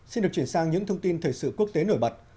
xin được chuyển sang những thông tin thời sự quốc tế nổi bật